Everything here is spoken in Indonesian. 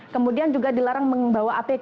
kemudian juga dilarang membawa apk